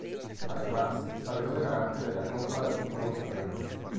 Además, salió de garante de la compra de los nuevos aviones.